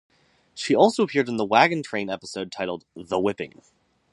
She also appeared in the Wagon Train episode titled "The Whipping".